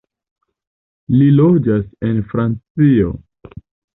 Li loĝas en Francio.